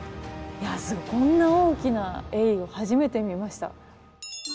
こんな大きなエイを初めて見ました。